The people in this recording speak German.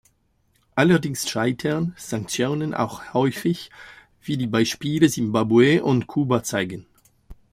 Allerdings scheitern Sanktionen auch häufig, wie die Beispiele Simbabwe und Kuba zeigen.